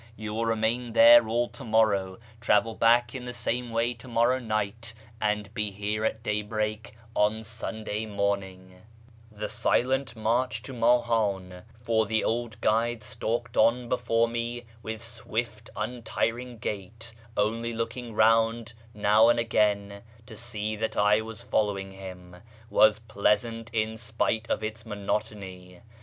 You will remain there all to morrow, travel back in the same way to morrow night, and be here at daybreak on Sunday morning." AMONGST THE KALANDARS ' 537 The silent march to Mahan (for the old guide stalked on before me with swift untiring gait, only looking round now and again to see that I was following him) was pleasant in spite of its monotony.